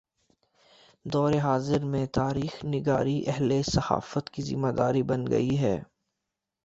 دور حاضر میں تاریخ نگاری اہل صحافت کی ذمہ داری بن گئی ہے۔